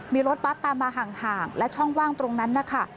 มีรถบัสตามมาห่างและช่องว่างตรงนั้นนะคะ